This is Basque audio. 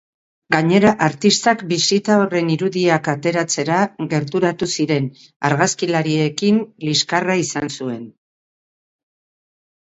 Gainera, artistak bisita horren irudiak ateratzera gerturatu ziren argazkilariekin liskarra izan zuen.